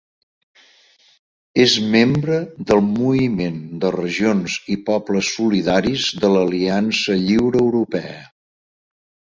És membre del Moviment de Regions i Pobles Solidaris de l'Aliança Lliure Europea.